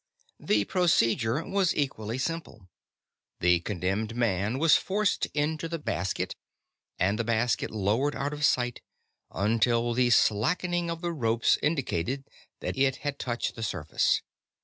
The procedure was equally simple. The condemned man was forced into the basket, and the basket lowered out of sight, until the slackening of the ropes indicated that it had touched the surface.